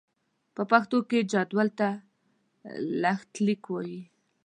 په پښتو کې جدول ته لښتليک وايي.